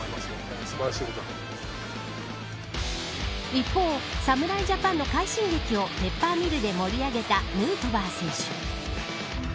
一方、侍ジャパンの快進撃をペッパーミルで盛り上げたヌートバー選手。